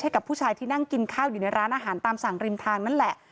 ให้กับผู้ชายที่นั่งกินข้าวอยู่ในร้านอาหารตามสั่งริมทางนั่นแหละ